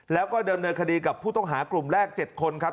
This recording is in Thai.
แล้วก็ดำเนินคดีกับผู้ต้องหากลุ่มแรก๗คนครับ